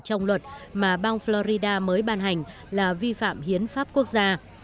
trong luật mà bang florida mới ban hành là vi phạm hiến pháp quốc gia